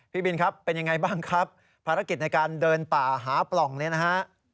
พี่บินครับเป็นยังไงบ้างครับภารกิจในการเดินป่าหาปล่องเนี่ยนะฮะ